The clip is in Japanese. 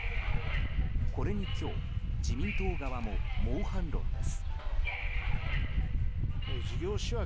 これに、今日自民党側も猛反論です。